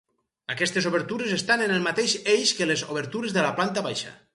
Aquestes obertures estan en el mateix eix que les obertures de la planta baixa.